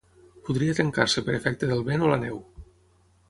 Podria trencar-se per efecte del vent o la neu.